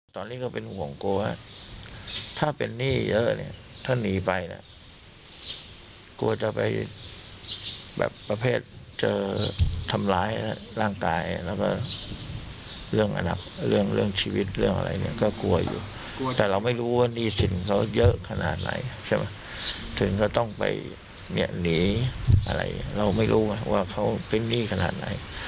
ตอนนี้ก็เป็นห่วงกลัวว่าถ้าเป็นหนี้เยอะเนี่ยถ้าหนีไปเนี่ยกลัวจะไปแบบประเภทจะทำร้ายร่างกายแล้วก็เรื่องอนาคตเรื่องชีวิตเรื่องอะไรเนี่ยก็กลัวอยู่แต่เราไม่รู้ว่าหนี้สินเขาเยอะขนาดไหนใช่ไหมถึงก็ต้องไปเนี่ยหนีอะไรเราไม่รู้ไงว่าเขาเป็นหนี้ขนาดไหน